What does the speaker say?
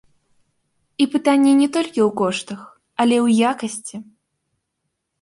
І пытанне не толькі ў коштах, але і ў якасці!